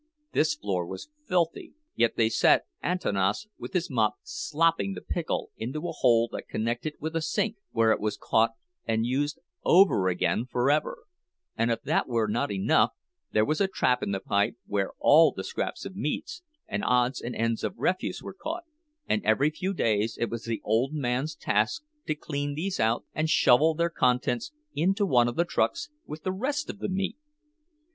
This floor was filthy, yet they set Antanas with his mop slopping the "pickle" into a hole that connected with a sink, where it was caught and used over again forever; and if that were not enough, there was a trap in the pipe, where all the scraps of meat and odds and ends of refuse were caught, and every few days it was the old man's task to clean these out, and shovel their contents into one of the trucks with the rest of the meat!